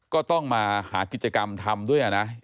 ก็ต้องมาหากิจกรรมทำด้วยนะ